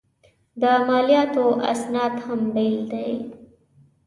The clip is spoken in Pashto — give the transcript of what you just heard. د مالیاتو اسناد هم بېل دي.